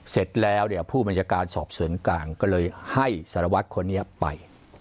เสร็จแล้วเนี่ยผู้บัญชาการสอบสวนกลางก็เลยให้สารวัตรคนนี้ไป